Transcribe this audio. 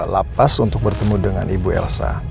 lapas untuk bertemu dengan ibu elsa